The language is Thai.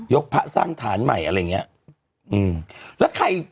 พระสร้างฐานใหม่อะไรอย่างเงี้ยอืมแล้วใคร